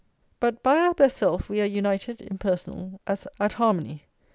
But by our best self we are united, impersonal, at harmony.